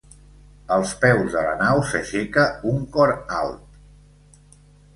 Als peus de la nau s'aixeca un cor alt.